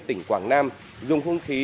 tỉnh quảng nam dùng không khí